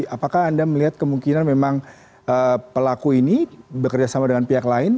apakah anda melihat kemungkinan memang pelaku ini bekerjasama dengan pihak lain